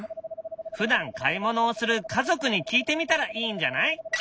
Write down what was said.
ふだん買い物をする家族に聞いてみたらいいんじゃない？